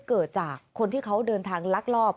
เกิดจากคนที่เขาเดินทางลักลอบ